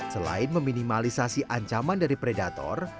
selain meminimalisasi ancaman dari predator